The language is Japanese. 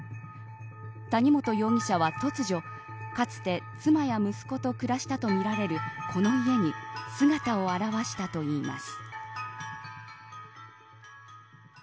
谷本容疑者は突如かつて妻や息子と暮らしたとみられるこの家に姿を現したといいます。